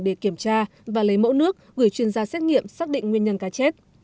để kiểm tra và lấy mẫu nước gửi chuyên gia xét nghiệm xác định nguyên nhân cá chết